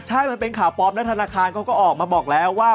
ใช่มันเป็นข่าวปลอมและธนาคารเขาก็ออกมาบอกแล้วว่า